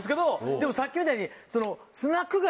でもさっきみたいに。